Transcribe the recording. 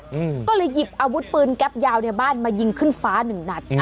อืมก็เลยหยิบอาวุธปืนแก๊ปยาวในบ้านมายิงขึ้นฟ้าหนึ่งนัด